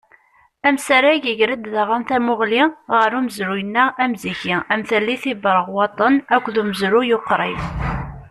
Amsarag iger-d daɣen tamuɣli ɣer umezruy-nneɣ amziki, am tallit Iberɣwaṭen, akked umezruy uqrib.